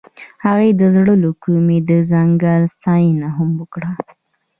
هغې د زړه له کومې د ځنګل ستاینه هم وکړه.